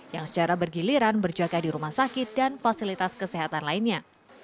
yang secara bergiliran berjaga di rumah sakit dan fasilitas kesehatan lainnya